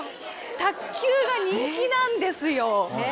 卓球が人気なんですよ。